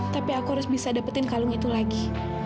tapi aku harus bisa dapetin kalung itu lagi